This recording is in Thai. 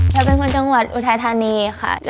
เป็นคนจังหวัดอุทัยธานีค่ะ